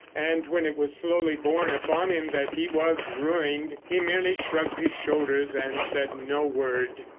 And when it was slowly born upon him that he was ruined he merely shrugged his shoulders and said no word.